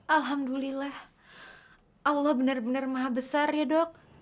alhamdulillah allah benar benar maha besar ya dok